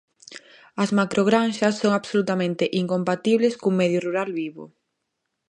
"As macrogranxas son absolutamente incompatibles cun medio rural vivo".